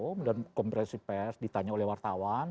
kemudian kompresi pers ditanya oleh wartawan